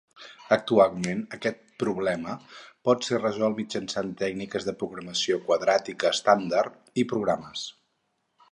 Actualment aquest problema pot ser resolt mitjançant tècniques de programació quadràtica estàndard i programes.